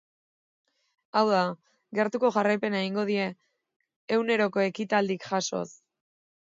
Hau da, gertuko jarraipena egingo diote eguneroko ekitaldiak jasoaz.